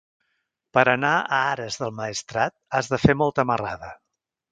Per anar a Ares del Maestrat has de fer molta marrada.